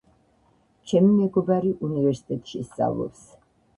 ჩემი მეგობარი უნივერსიტეტში სწავლობს.